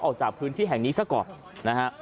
ออกจากพื้นที่แห่งนี้สักก่อน